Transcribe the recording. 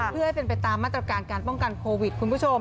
เพื่อให้เป็นไปตามมาตรการการป้องกันโควิดคุณผู้ชม